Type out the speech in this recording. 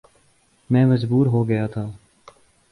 میں مجبور ہو گیا تھا